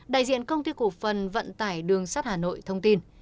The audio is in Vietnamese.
đại diện công ty cổ phần vận tải đường sắt hà nội thông tin